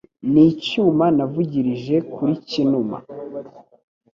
N' icyuma navugirije kuri Cyinuma.